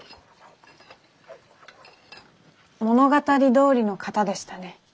物語どおりの方でしたね。